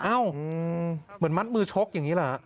อ้าวเหมือนมัดมือชกอย่างนี้แหละ